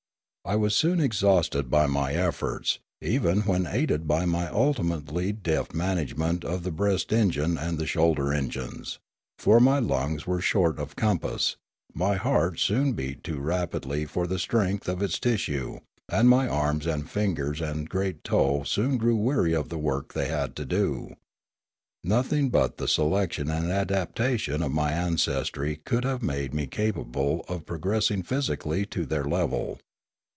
I was soon exhausted by my efforts, even when aided by my ultimately deft management of the breast engine and the shoulder engines; for my lungs were short of compass, my heart soon beat too rapidly for the strength of its tis sue, and my arms and fingers and great toe soon grew weary of the work they had to do. Nothing but the selection and adaptation of my ancestry could have made me capable of progressing physically to their level.